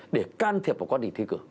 để can thiệp vào quá trình thi cử